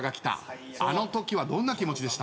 あのときはどんな気持ちでした？